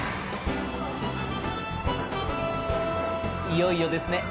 いよいよですね。